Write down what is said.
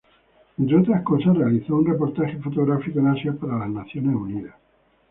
Entre otras cosas, realizó un reportaje fotográfico en Asia para las Naciones Unidas.